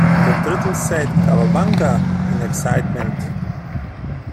The turtles said "cowabunga" in excitement.